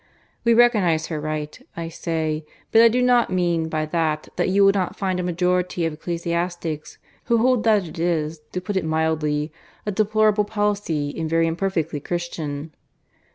We recognize her right, I say; but I do not mean by that that you will not find a majority of ecclesiastics who hold that it is, to put it mildly, a deplorable policy and very imperfectly Christian.